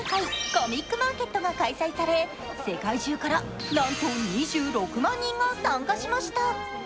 コミックマーケットが開催され世界中から、なんと２６万人が参加しました。